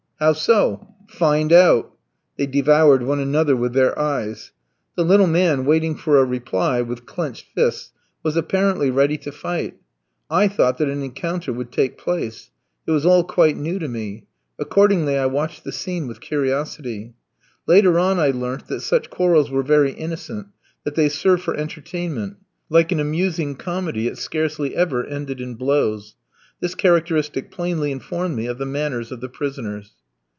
"How so?" "Find out." They devoured one another with their eyes. The little man, waiting for a reply, with clenched fists, was apparently ready to fight. I thought that an encounter would take place. It was all quite new to me; accordingly I watched the scene with curiosity. Later on I learnt that such quarrels were very innocent, that they served for entertainment. Like an amusing comedy, it scarcely ever ended in blows. This characteristic plainly informed me of the manners of the prisoners.